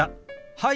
はい。